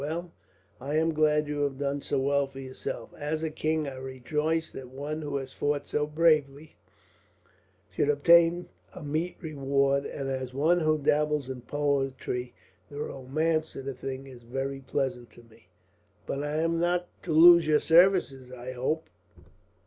Well, I am glad you have done so well for yourself. As a king, I rejoice that one who has fought so bravely should obtain a meet reward; and as one who dabbles in poetry, the romance of the thing is very pleasant to me. "But I am not to lose your services, I hope?"